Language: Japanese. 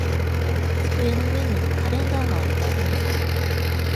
机の上にカレンダーが置いてあります。